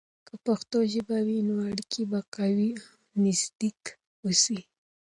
که پښتو ژبه وي، نو اړیکې به قوي او نزدیک اوسي.